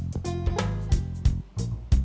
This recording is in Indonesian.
sampai satu kali